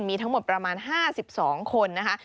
มีทั้งหมดประมาณ๕๒คนนะคะ